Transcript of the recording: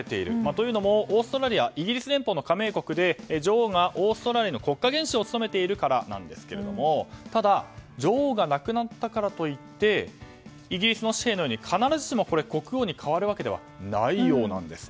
というのもオーストラリアはイギリス連邦の加盟国で女王がオーストラリアの国家元首を務めているからなんですがただ、女王が亡くなったからといってイギリスの紙幣のように必ずしも国王に変わるわけではないようです。